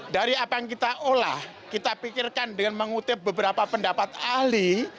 dari apa yang kita olah kita pikirkan dengan mengutip beberapa pendapat ahli